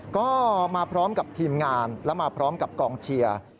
ก็มาพร้อมกับทีมงานและมาพร้อมกับกองเชียร์